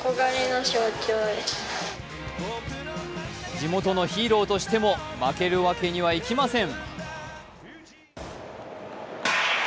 地元のヒーローとしても負けるわけにはいきません。